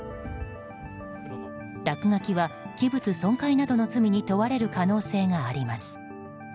落書きは器物損壊などの罪に問われる可能性があります。